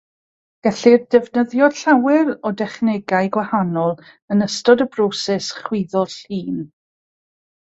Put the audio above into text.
Gellir defnyddio llawer o dechnegau gwahanol yn ystod y broses chwyddo llun.